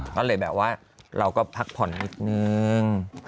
ก็เลยแบบว่าเราก็พักผ่อนนิดนึง